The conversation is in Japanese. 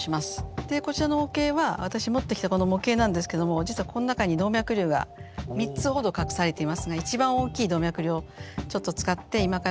でこちらの模型は私持ってきたこの模型なんですけども実はこの中に動脈瘤が３つほど隠されていますが一番大きい動脈瘤をちょっと使って今から。